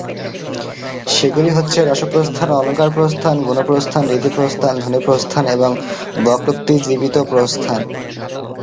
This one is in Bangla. সেগুলি হচ্ছে: রসপ্রস্থান, অলঙ্কারপ্রস্থান, গুণপ্রস্থান, রীতিপ্রস্থান, ধ্বনিপ্রস্থান এবং বক্রোক্তিজীবিতপ্রস্থান।